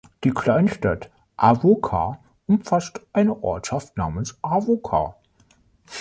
Die Kleinstadt Avoca umfasst eine Ortschaft namens Avoca.